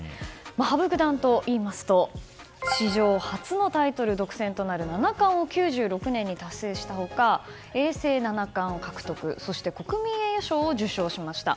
羽生九段といいますと史上初のタイトル独占となる七冠を９６年に達成した他永世七冠を獲得国民栄誉賞も受賞しました。